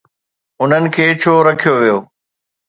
انهن کي ڇو رکيو ويو؟